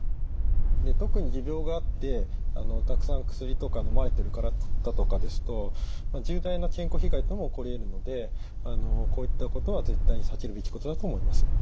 で特に持病があってたくさん薬とかのまれてる方とかですと重大な健康被害も起こりえるのでこういったことは絶対に避けるべきことだと思います。